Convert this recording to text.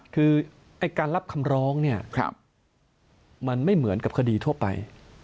คือไอ้การรับคำร้องเนี่ยมันไม่เหมือนกับคดีทั่วไป